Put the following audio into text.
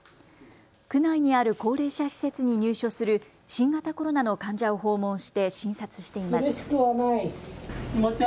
区内にある高齢者施設に入所する新型コロナの患者を訪問して診察しています。